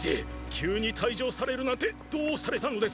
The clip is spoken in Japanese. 急に退場されるなんてどうされたのです